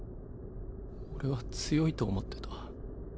俺は強いと思ってた。